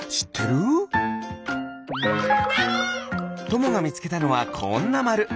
ともがみつけたのはこんなまる。